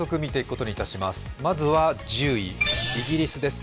まずは１０位、イギリスです。